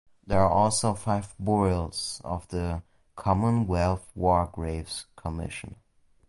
There are also five burials of the Commonwealth War Graves Commission.